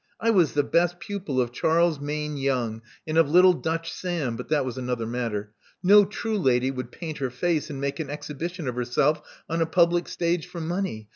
I was the best pupil of Charles Mayne Young, and of little Dutch Sam — but that was another matter. No true lady would paint her face and make an exhibition of herself on a public stage for money.